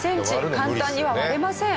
簡単には割れません。